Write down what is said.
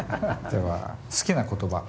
では好きな言葉。